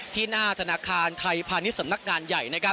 หน้าธนาคารไทยพาณิชย์สำนักงานใหญ่